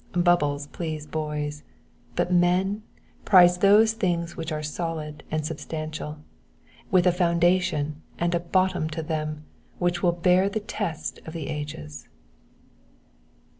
Bubbles please boys, but men prize those things which are solid and substantial, with a foundation and a bottom to them which will bear the test of the ages.